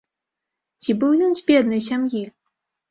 Ці быў ён з беднай сям'і?